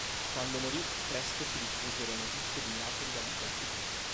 Quando morì, presto si diffusero notizie di miracoli da lui compiuti.